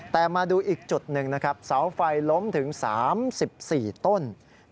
แต่มาดูอีกจุดหนึ่งนะครับเสาไฟล้มถึง๓๔ต้น